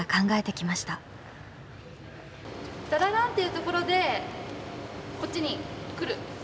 タラランっていうところでこっちに来る。